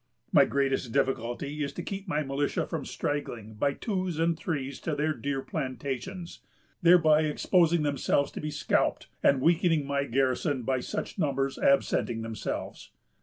My greatest difficulty is to keep my militia from straggling by twos and threes to their dear plantations, thereby exposing themselves to be scalped, and weakening my garrison by such numbers absenting themselves.